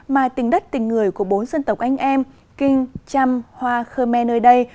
mà tình đất tình người của bốn dân tộc anh em kinh trăm hoa khơ me nơi đây